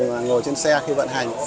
ngồi trên xe khi vận hành